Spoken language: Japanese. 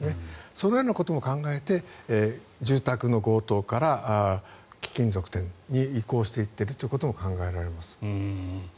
そのようなことも考えて住宅の強盗から貴金属店に移行していってるということも考えられます。